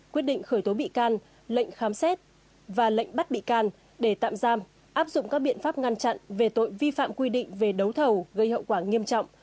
quyết định khởi tố bị can lệnh khám xét và lệnh bắt bị can để tạm giam áp dụng các biện pháp ngăn chặn về tội vi phạm quy định về đấu thầu gây hậu quả nghiêm trọng